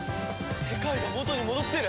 世界が元に戻ってる！